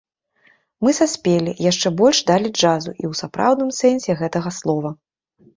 Мы саспелі, яшчэ больш далі джазу, у сапраўдным сэнсе гэтага слова.